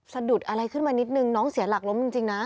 สะดุดอะไรขึ้นมานิดนึงน้องเสียหลักล้มจริงนะ